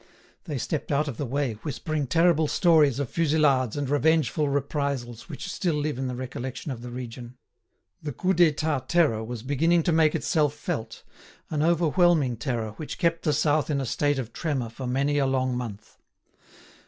They stepped out of the way whispering terrible stories of fusillades and revengeful reprisals which still live in the recollection of the region. The Coup d'État terror was beginning to make itself felt, an overwhelming terror which kept the South in a state of tremor for many a long month.